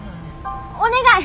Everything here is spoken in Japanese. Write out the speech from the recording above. お願い！